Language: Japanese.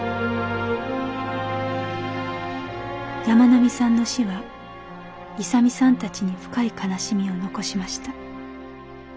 山南さんの死は勇さんたちに深い悲しみを残しました。